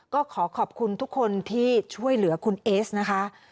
ก็ขอขอบคุณทุกคนที่ช่วยเหลือคุณเอสนะคะ